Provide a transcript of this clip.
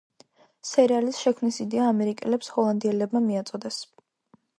სერიალის შექმნის იდეა ამერიკელებს ჰოლანდიელებმა მიაწოდეს.